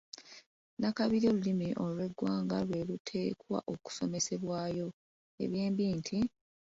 Nnakabirye olulimi lw’Eggwanga lwe luteekwa okusomesebwayo; ebyembi nti